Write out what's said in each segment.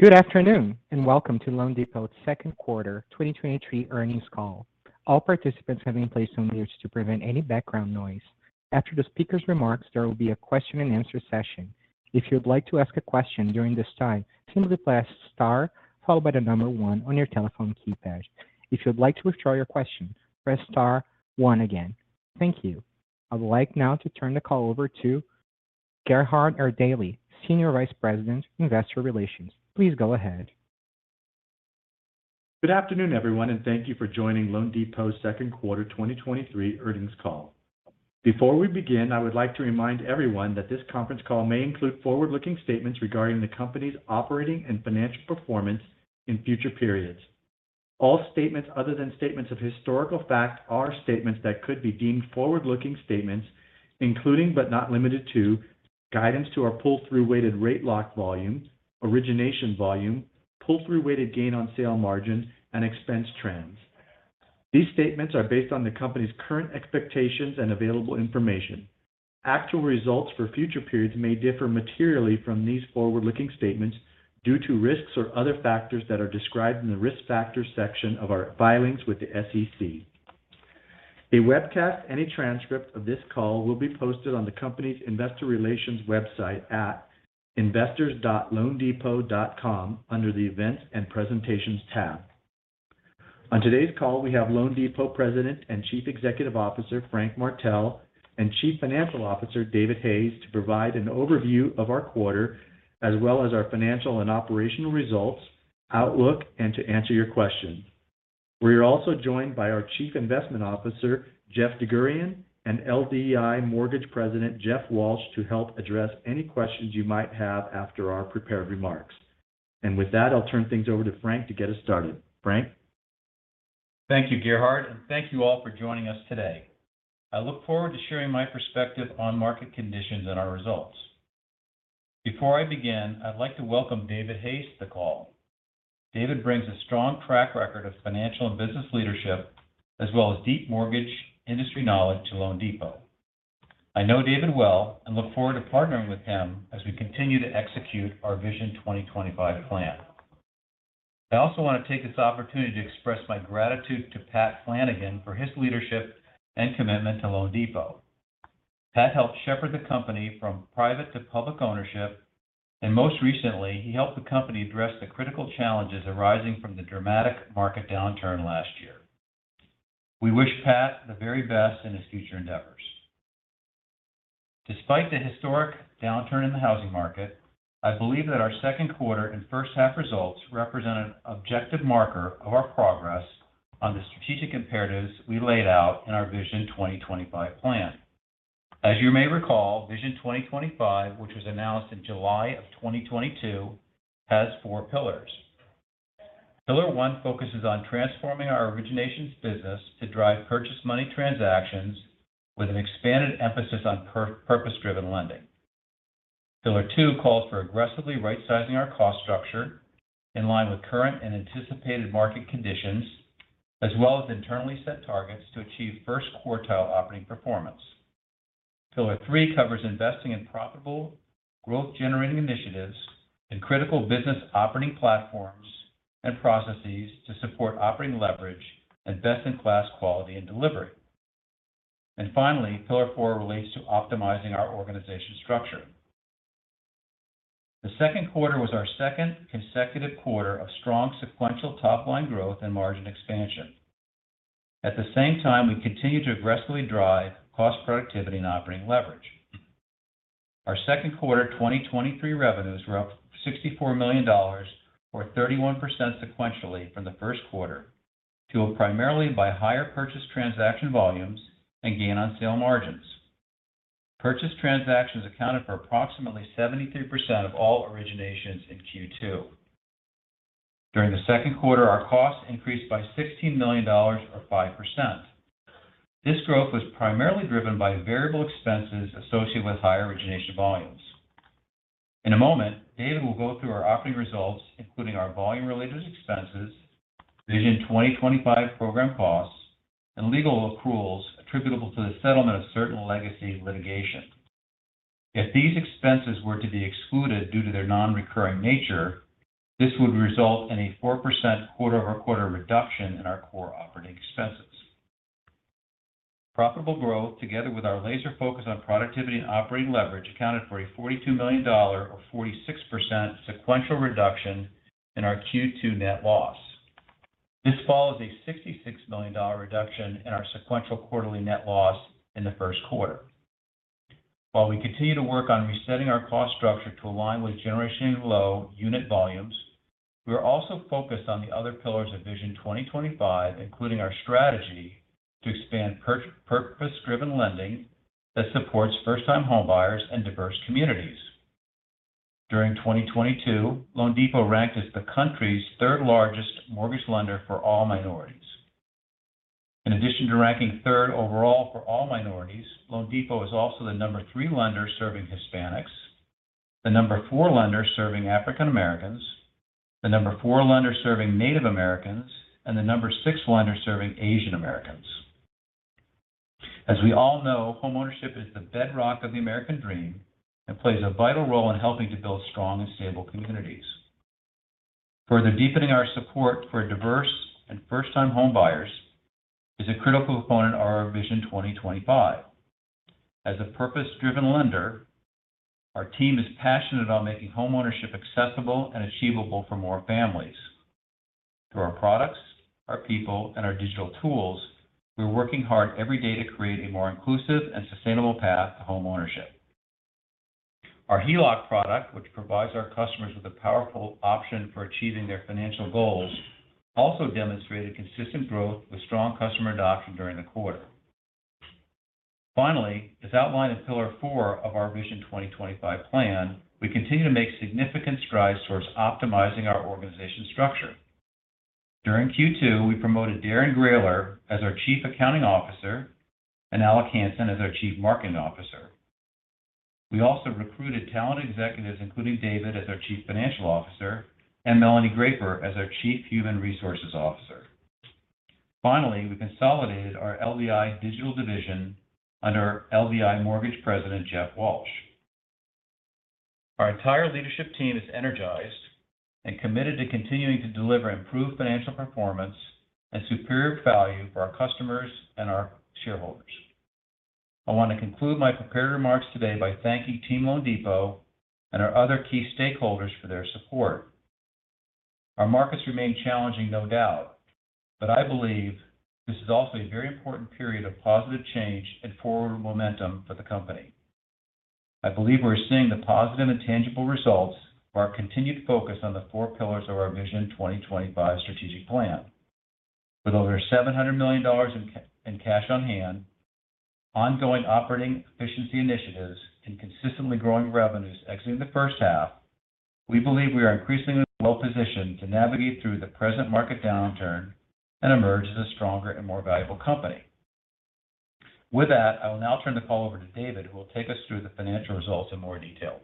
Good afternoon, welcome to loanDepot's Second Quarter 2023 Earnings Call. All participants have been placed on mute to prevent any background noise. After the speaker's remarks, there will be a question and answer session. If you'd like to ask a question during this time, simply press star, followed by one on your telephone keypad. If you'd like to withdraw your question, press star one again. Thank you. I would like now to turn the call over to Gerhard Erdelji, Senior Vice President, Investor Relations. Please go ahead. Good afternoon, everyone, thank you for joining loanDepot's second quarter 2023 earnings call. Before we begin, I would like to remind everyone that this conference call may include forward-looking statements regarding the company's operating and financial performance in future periods. All statements other than statements of historical fact are statements that could be deemed forward-looking statements, including, but not limited to, guidance to our pull-through weighted rate lock volume, origination volume, pull-through weighted gain on sale margin, and expense trends. These statements are based on the company's current expectations and available information. Actual results for future periods may differ materially from these forward-looking statements due to risks or other factors that are described in the Risk Factors section of our filings with the SEC. A webcast and a transcript of this call will be posted on the company's investor relations website at investors.loandepot.com under the Events and Presentations tab. On today's call, we have loanDepot President and Chief Executive Officer, Frank Martell, and Chief Financial Officer, David Hayes, to provide an overview of our quarter, as well as our financial and operational results, outlook, and to answer your questions. We are also joined by our Chief Investment Officer, Jeff DerGurahian, and LDI Mortgage President, Jeff Walsh, to help address any questions you might have after our prepared remarks. With that, I'll turn things over to Frank to get us started. Frank? Thank you, Gerhard, and thank you all for joining us today. I look forward to sharing my perspective on market conditions and our results. Before I begin, I'd like to welcome David Hayes to the call. David brings a strong track record of financial and business leadership, as well as deep mortgage industry knowledge to loanDepot. I know David well and look forward to partnering with him as we continue to execute our Vision 2025 plan. I also want to take this opportunity to express my gratitude to Pat Flanagan for his leadership and commitment to loanDepot. Pat helped shepherd the company from private to public ownership, and most recently, he helped the company address the critical challenges arising from the dramatic market downturn last year. We wish Pat the very best in his future endeavors. Despite the historic downturn in the housing market, I believe that our second quarter and first half results represent an objective marker of our progress on the strategic imperatives we laid out in our Vision 2025 plan. As you may recall, Vision 2025, which was announced in July of 2022, has four pillars. Pillar 1 focuses on transforming our originations business to drive purchase money transactions with an expanded emphasis on purpose-driven lending. Pillar 2 calls for aggressively rightsizing our cost structure in line with current and anticipated market conditions, as well as internally set targets to achieve first quartile operating performance. Pillar 3 covers investing in profitable growth, generating initiatives and critical business operating platforms and processes to support operating leverage and best-in-class quality and delivery. Finally, Pillar 4 relates to optimizing our organization structure. The second quarter was our second consecutive quarter of strong sequential top-line growth and margin expansion. At the same time, we continue to aggressively drive cost productivity and operating leverage. Our second quarter 2023 revenues were up $64 million or 31% sequentially from the first quarter, fueled primarily by higher purchase transaction volumes and gain on sale margins. Purchase transactions accounted for approximately 73% of all originations in Q2. During the second quarter, our costs increased by $16 million or 5%. This growth was primarily driven by variable expenses associated with higher origination volumes. In a moment, David will go through our operating results, including our volume-related expenses, Vision 2025 program costs, and legal accruals attributable to the settlement of certain legacy litigation. If these expenses were to be excluded due to their non-recurring nature, this would result in a 4% quarter-over-quarter reduction in our core operating expenses. Profitable growth, together with our laser focus on productivity and operating leverage, accounted for a $42 million or 46% sequential reduction in our Q2 net loss. This follows a $66 million reduction in our sequential quarterly net loss in the first quarter. While we continue to work on resetting our cost structure to align with generation low unit volumes, we are also focused on the other Pillars of Vision 2025, including our strategy to expand purpose-driven lending that supports first-time home buyers and diverse communities. During 2022, loanDepot ranked as the country's third largest mortgage lender for all minorities. In addition to ranking third overall for all minorities, loanDepot is also the number three lender serving Hispanics, the number four lender serving African Americans, the number four lender serving Native Americans, and the number six lender serving Asian Americans. As we all know, homeownership is the bedrock of the American dream and plays a vital role in helping to build strong and stable communities. Further deepening our support for diverse and first-time homebuyers is a critical component of our Vision 2025. As a purpose-driven lender, our team is passionate about making homeownership accessible and achievable for more families. Through our products, our people, and our digital tools, we're working hard every day to create a more inclusive and sustainable path to homeownership. Our HELOC product, which provides our customers with a powerful option for achieving their financial goals, also demonstrated consistent growth with strong customer adoption during the quarter. Finally, as outlined in Pillar 4 of our Vision 2025 plan, we continue to make significant strides towards optimizing our organization structure. During Q2, we promoted Darren Graeler as our Chief Accounting Officer and Alec Hanson as our Chief Marketing Officer. We also recruited talented executives, including David as our Chief Financial Officer and Melanie Graper as our Chief Human Resources Officer. Finally, we consolidated our LDI Digital division under LDI Mortgage President, Jeff Walsh. Our entire leadership team is energized and committed to continuing to deliver improved financial performance and superior value for our customers and our shareholders. I want to conclude my prepared remarks today by thanking Team loanDepot and our other key stakeholders for their support. Our markets remain challenging, no doubt, but I believe this is also a very important period of positive change and forward momentum for the company. I believe we're seeing the positive and tangible results of our continued focus on the four pillars of our Vision 2025 strategic plan. With over $700 million in cash on hand, ongoing operating efficiency initiatives, and consistently growing revenues exiting the first half, we believe we are increasingly well-positioned to navigate through the present market downturn and emerge as a stronger and more valuable company. With that, I will now turn the call over to David, who will take us through the financial results in more detail.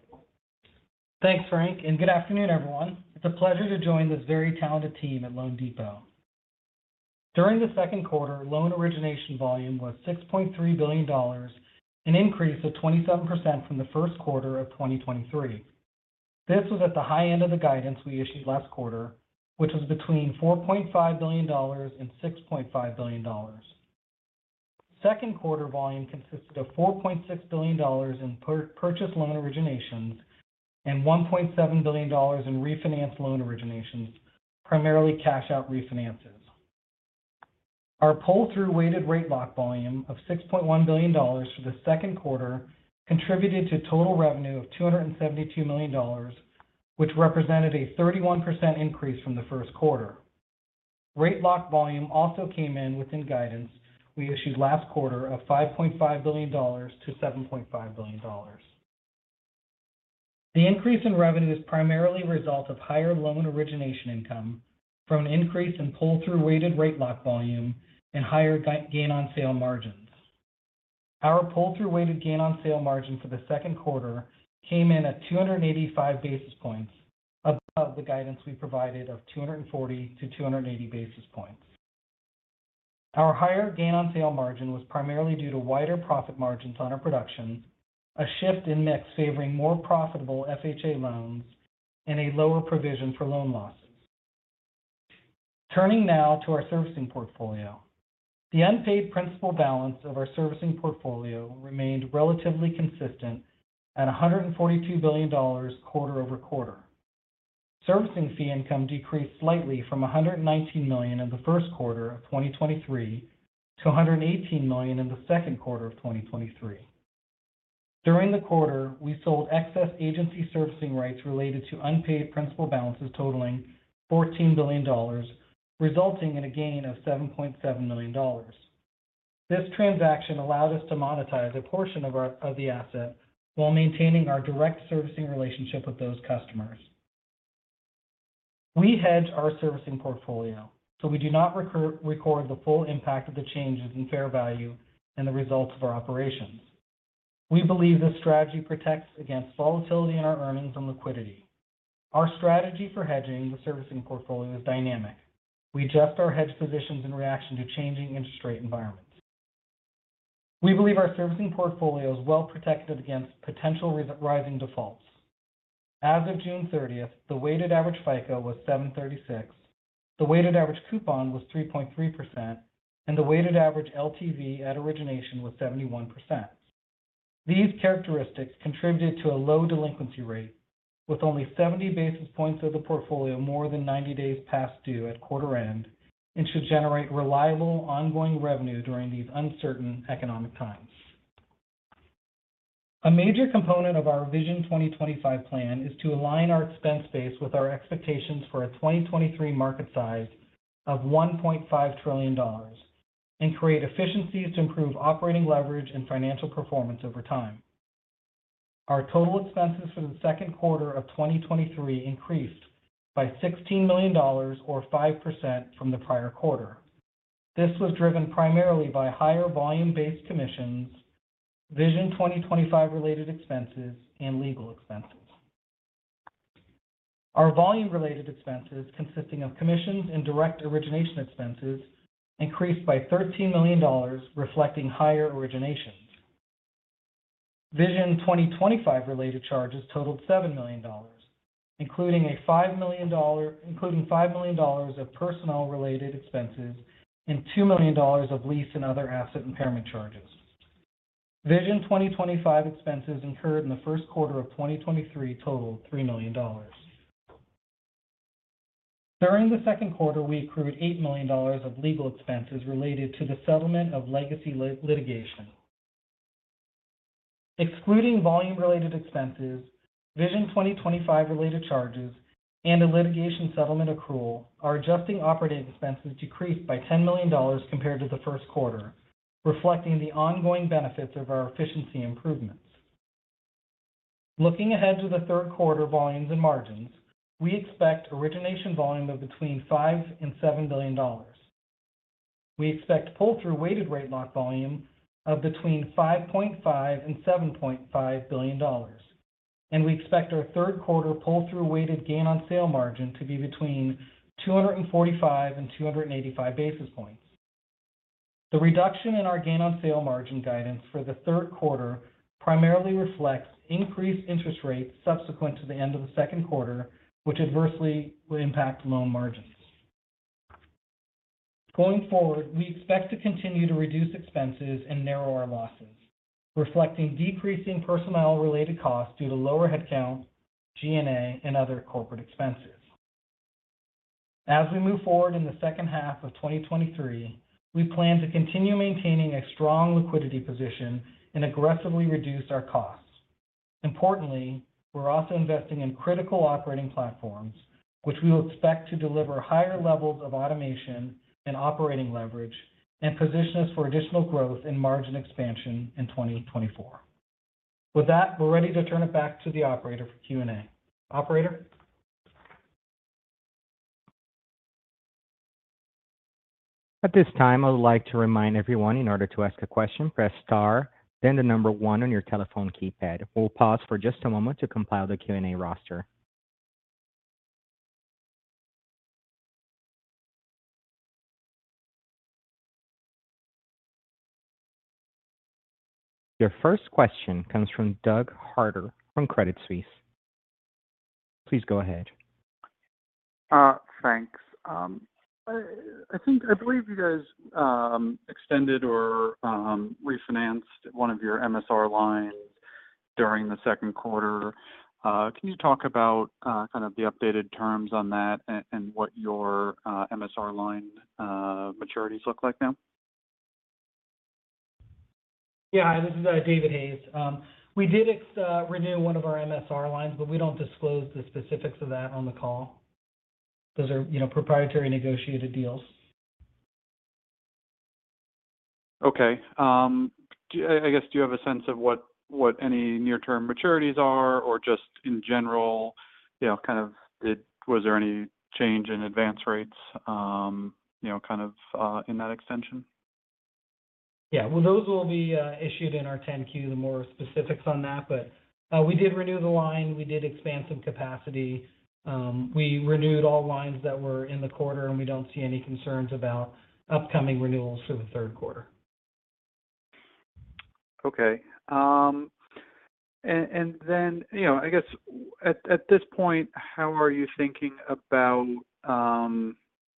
Thanks, Frank, and good afternoon, everyone. It's a pleasure to join this very talented team at loanDepot. During the second quarter, loan origination volume was $6.3 billion, an increase of 27% from the first quarter of 2023. This was at the high end of the guidance we issued last quarter, which was between $4.5 billion and $6.5 billion. Second quarter volume consisted of $4.6 billion in purchase loan originations and $1.7 billion in refinance loan originations, primarily cash-out refinances. Our pull-through weighted rate lock volume of $6.1 billion for the second quarter contributed to total revenue of $272 million, which represented a 31% increase from the first quarter. Rate lock volume also came in within guidance we issued last quarter of $5.5 billion-$7.5 billion. The increase in revenue is primarily a result of higher loan origination income from an increase in pull-through weighted rate lock volume and higher gain on sale margins. Our pull-through weighted gain on sale margin for the second quarter came in at 285 basis points, above the guidance we provided of 240-280 basis points. Our higher gain on sale margin was primarily due to wider profit margins on our production, a shift in mix favoring more profitable FHA loans, and a lower provision for loan losses. Turning now to our servicing portfolio. The unpaid principal balance of our servicing portfolio remained relatively consistent at $142 billion quarter-over-quarter. Servicing fee income decreased slightly from $119 million in the first quarter of 2023 to $118 million in the second quarter of 2023. During the quarter, we sold excess agency servicing rights related to unpaid principal balances totaling $14 billion, resulting in a gain of $7.7 million. This transaction allowed us to monetize a portion of the asset while maintaining our direct servicing relationship with those customers. We hedge our servicing portfolio, we do not record the full impact of the changes in fair value and the results of our operations. We believe this strategy protects against volatility in our earnings and liquidity. Our strategy for hedging the servicing portfolio is dynamic. We adjust our hedge positions in reaction to changing industry environments. We believe our servicing portfolio is well protected against potential rising defaults. As of June 30th, the weighted average FICO was 736, the weighted average coupon was 3.3%, and the weighted average LTV at origination was 71%. These characteristics contributed to a low delinquency rate, with only 70 basis points of the portfolio more than 90 days past due at quarter end, and should generate reliable, ongoing revenue during these uncertain economic times. A major component of our Vision 2025 plan is to align our expense base with our expectations for a 2023 market size of $1.5 trillion and create efficiencies to improve operating leverage and financial performance over time. Our total expenses for the second quarter of 2023 increased by $16 million or 5% from the prior quarter. This was driven primarily by higher volume-based commissions, Vision 2025 related expenses, and legal expenses. Our volume-related expenses, consisting of commissions and direct origination expenses, increased by $13 million, reflecting higher originations. Vision 2025 related charges totaled $7 million, including a $5 million- including $5 million of personnel-related expenses and $2 million of lease and other asset impairment charges. Vision 2025 expenses incurred in the first quarter of 2023 totaled $3 million. During the second quarter, we accrued $8 million of legal expenses related to the settlement of legacy litigation. Excluding volume-related expenses, Vision 2025 related charges, and a litigation settlement accrual, our adjusting operating expenses decreased by $10 million compared to the first quarter, reflecting the ongoing benefits of our efficiency improvements. Looking ahead to the third quarter volumes and margins, we expect origination volume of between $5 billion-$7 billion. We expect pull-through weighted rate lock volume of between $5.5 billion-$7.5 billion, and we expect our third quarter pull-through weighted gain on sale margin to be between 245-285 basis points. The reduction in our gain on sale margin guidance for the third quarter primarily reflects increased interest rates subsequent to the end of the second quarter, which adversely will impact loan margins. Going forward, we expect to continue to reduce expenses and narrow our losses, reflecting decreasing personnel-related costs due to lower headcount, G&A, and other corporate expenses. As we move forward in the second half of 2023, we plan to continue maintaining a strong liquidity position and aggressively reduce our costs. Importantly, we're also investing in critical operating platforms, which we will expect to deliver higher levels of automation and operating leverage, and position us for additional growth and margin expansion in 2024. With that, we're ready to turn it back to the operator for Q&A. Operator? At this time, I would like to remind everyone, in order to ask a question, press star, then 1 on your telephone keypad. We'll pause for just a moment to compile the Q&A roster. Your first question comes from Doug Harter from Credit Suisse. Please go ahead. Thanks. I believe you guys extended or refinanced one of your MSR lines during the second quarter. Can you talk about kind of the updated terms on that and what your MSR line maturities look like now? Yeah, this is David Hayes. We did renew one of our MSR lines, but we don't disclose the specifics of that on the call. Those are, you know, proprietary negotiated deals. Okay. I, I guess, do you have a sense of what, what any near-term maturities are, or just in general, you know, kind of, was there any change in advance rates, you know, kind of, in that extension? Yeah. Well, those will be issued in our 10-Q, the more specifics on that. We did renew the line. We did expand some capacity. We renewed all lines that were in the quarter, and we don't see any concerns about upcoming renewals for the third quarter. Okay. Then, you know, I guess at, at this point, how are you thinking about,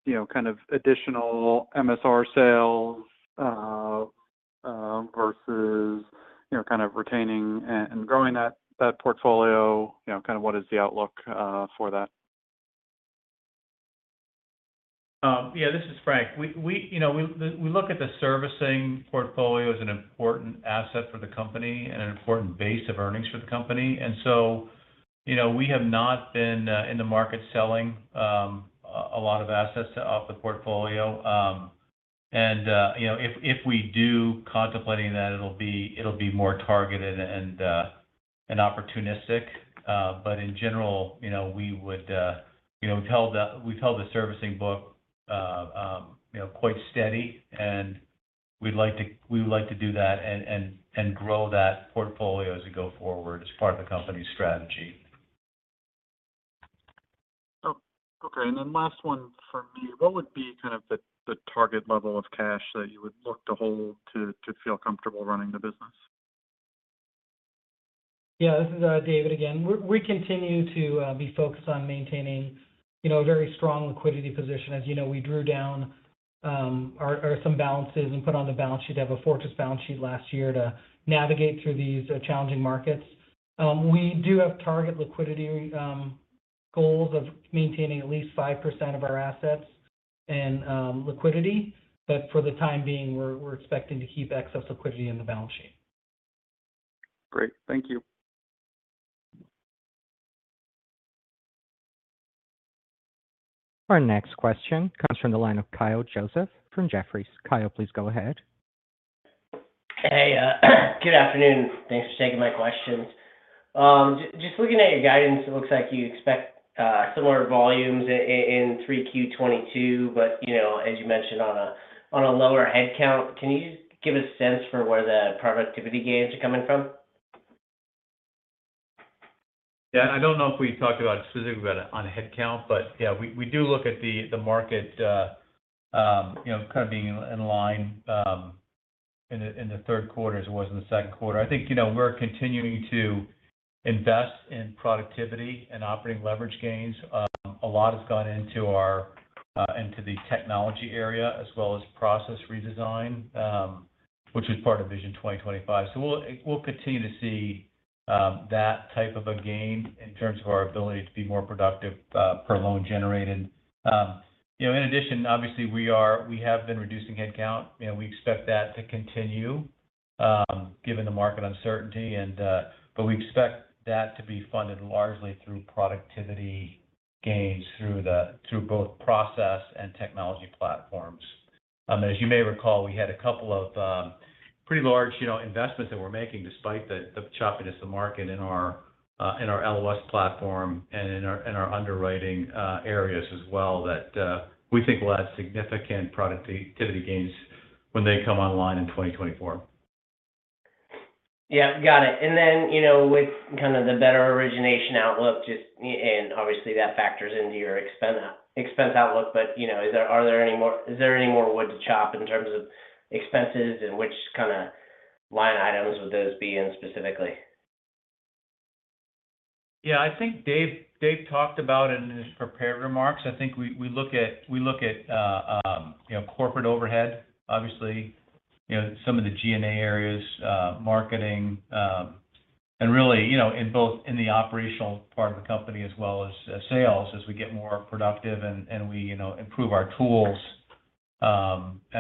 you know, kind of additional MSR sales versus, you know, kind of retaining and growing that, that portfolio? You know, kind of what is the outlook for that? Yeah, this is Frank. We, we you know, we, we look at the servicing portfolio as an important asset for the company and an important base of earnings for the company. So, you know, we have not been in the market selling a lot of assets off the portfolio. You know, if we do contemplating that, it'll be, it'll be more targeted and opportunistic. In general, you know, we would, you know, we've held the servicing book, you know, quite steady, and we would like to do that and, and, and grow that portfolio as we go forward as part of the company's strategy. Okay. Then last one from me. What would be kind of the, the target level of cash that you would look to hold to, to feel comfortable running the business? Yeah, this is David again. We, we continue to be focused on maintaining, you know, a very strong liquidity position. As you know, we drew down our, our some balances and put on the balance sheet to have a fortress balance sheet last year to navigate through these challenging markets. We do have target liquidity goals of maintaining at least 5% of our assets and liquidity. For the time being, we're, we're expecting to keep excess liquidity in the balance sheet. Great. Thank you. Our next question comes from the line of Kyle Joseph from Jefferies. Kyle, please go ahead. Hey, good afternoon. Thanks for taking my questions. Just looking at your guidance, it looks like you expect similar volumes in 3Q 2022, but, you know, as you mentioned on a, on a lower headcount, can you just give a sense for where the productivity gains are coming from? Yeah, I don't know if we talked about specifically about it on headcount, but yeah, we, we do look at the, the market, you know, kind of being in line, in the third quarter as it was in the second quarter. I think, you know, we're continuing to invest in productivity and operating leverage gains. A lot has gone into our, into the technology area as well as process redesign, which is part of Vision 2025. We'll, we'll continue to see that type of a gain in terms of our ability to be more productive per loan generated. You know, in addition, obviously, we have been reducing headcount, and we expect that to continue, given the market uncertainty. We expect that to be funded largely through productivity gains through both process and technology platforms. As you may recall, we had a couple of, pretty large, you know, investments that we're making despite the choppiness of the market in our LOS platform and in our, and our underwriting areas as well, that we think will add significant productivity gains when they come online in 2024. Yeah. Got it. You know, with kind of the better origination outlook, just, and obviously, that factors into your expense outlook, but, you know, is there any more wood to chop in terms of expenses, and which kind of line items would those be in specifically? Yeah, I think David, David talked about it in his prepared remarks. I think we, we look at, we look at, you know, corporate overhead, obviously, you know, some of the G&A areas, marketing, and really, you know, in both in the operational part of the company as well as, as sales, as we get more productive and, and we, you know, improve our tools, and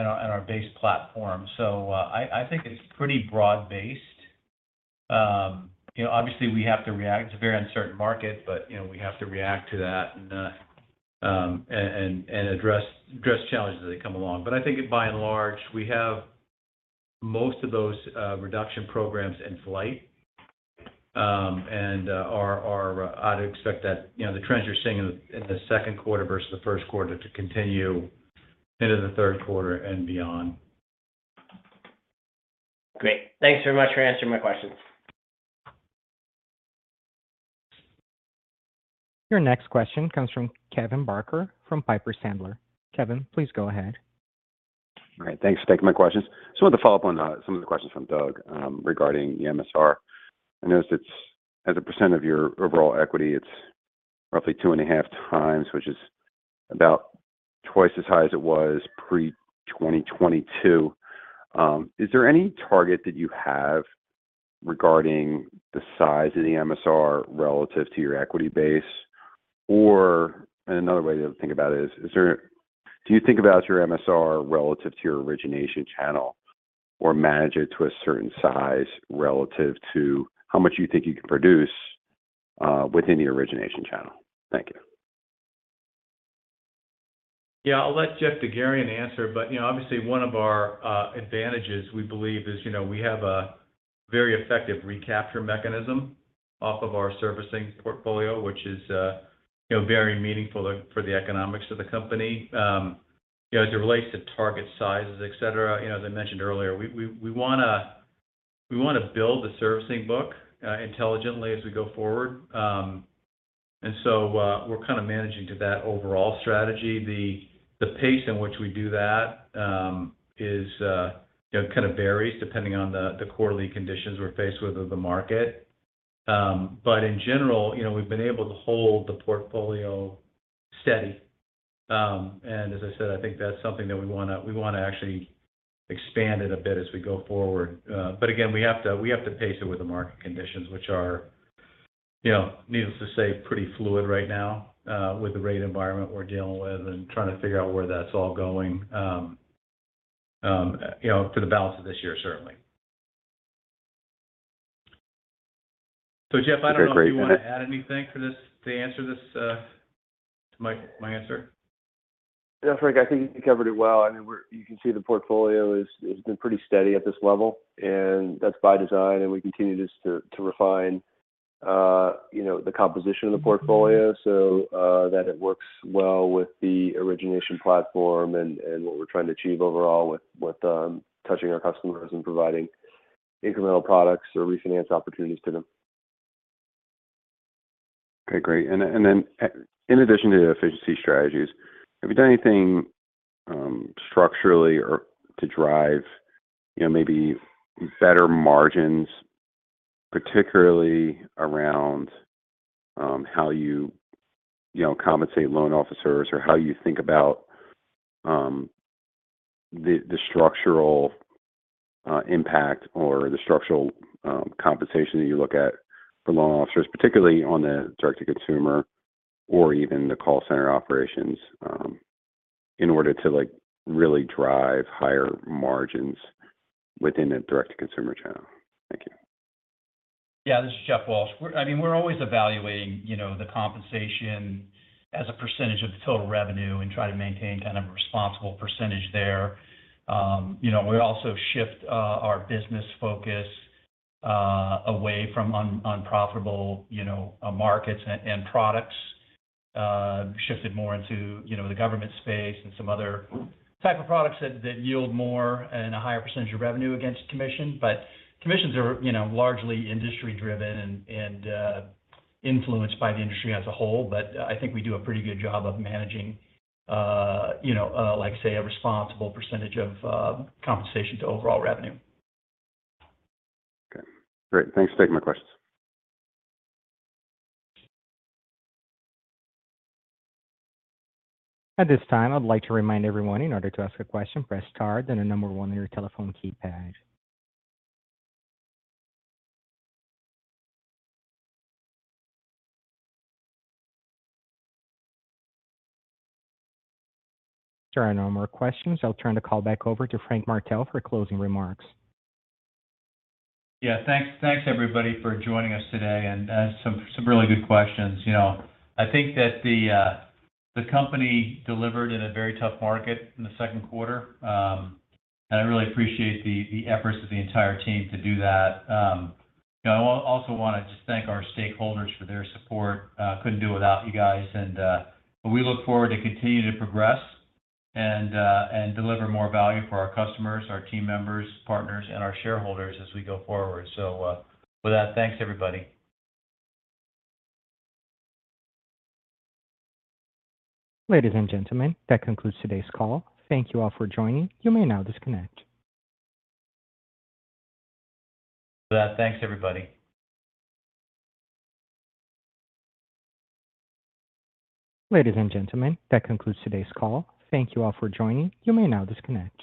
our, and our base platform. I, I think it's pretty broad-based. You know, obviously, we have to react. It's a very uncertain market, but, you know, we have to react to that and, and, and address, address challenges as they come along. I think by and large, we have most of those reduction programs in flight, and I'd expect that, you know, the trends you're seeing in the second quarter versus the first quarter to continue into the third quarter and beyond. Great. Thanks very much for answering my questions. Your next question comes from Kevin Barker from Piper Sandler. Kevin, please go ahead. All right. Thanks for taking my questions. I want to follow up on some of the questions from Doug Harter regarding the MSR. I noticed it's as a percent of your overall equity, it's roughly 2.5x, which is about 2x as high as it was pre-2022. Is there any target that you have regarding the size of the MSR relative to your equity base? Another way to think about it is, do you think about your MSR relative to your origination channel or manage it to a certain size relative to how much you think you can produce within the origination channel? Thank you. Yeah. I'll let Jeff DerGurahian answer. You know, obviously, one of our advantages, we believe is, you know, we have a very effective recapture mechanism off of our servicing portfolio, which is, you know, very meaningful for, for the economics of the company. You know, as it relates to target sizes, et cetera, you know, as I mentioned earlier, we, we, we want to, we want to build the servicing book intelligently as we go forward. And so, we're kind of managing to that overall strategy. The pace in which we do that is, you know, kind of varies depending on the quarterly conditions we're faced with of the market. But in general, you know, we've been able to hold the portfolio steady. As I said, I think that's something that we want to actually expand it a bit as we go forward. Again, we have to, we have to pace it with the market conditions, which are, you know, needless to say, pretty fluid right now, with the rate environment we're dealing with and trying to figure out where that's all going, you know, for the balance of this year, certainly. Jeff, I don't know if you want to add anything to answer this, to my answer. Yeah, Frank, I think you covered it well. I mean, we're you can see the portfolio is, has been pretty steady at this level. That's by design. We continue just to refine, you know, the composition of the portfolio so that it works well with the origination platform and what we're trying to achieve overall with touching our customers and providing incremental products or refinance opportunities to them. Okay, great. Then, in addition to the efficiency strategies, have you done anything structurally or to drive, you know, maybe better margins, particularly around how you, you know, compensate loan officers? Or how you think about the structural impact or the structural compensation that you look at for loan officers, particularly on the direct-to-consumer or even the call center operations, in order to, like, really drive higher margins within the direct-to-consumer channel? Thank you. Walsh. I mean, we're always evaluating, you know, the compensation as a percentage of the total revenue and try to maintain kind of a responsible percentage there. You know, we also shift our business focus away from unprofitable, you know, markets and products, shifted more into, you know, the government space and some other type of products that yield more and a higher percentage of revenue against commission. But commissions are, you know, largely industry-driven and influenced by the industry as a whole. But I think we do a pretty good job of managing, you know, like, say, a responsible percentage of compensation to overall revenue. Okay, great. Thanks for taking my questions. At this time, I'd like to remind everyone, in order to ask a question, press star, then the number one on your telephone keypad. There are no more questions. I'll turn the call back over to Frank Martell for closing remarks. Yeah. Thanks, thanks, everybody, for joining us today, some, some really good questions. You know, I think that the, the company delivered in a very tough market in the second quarter. I really appreciate the, the efforts of the entire team to do that. You know, I also want to just thank our stakeholders for their support. Couldn't do it without you guys, and, but we look forward to continue to progress and deliver more value for our customers, our team members, partners, and our shareholders as we go forward. With that, thanks, everybody. Ladies and gentlemen, that concludes today's call. Thank you all for joining. You may now disconnect. With that, thanks, everybody. Ladies and gentlemen, that concludes today's call. Thank you all for joining. You may now disconnect.